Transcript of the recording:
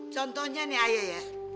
contohnya nih ayah ya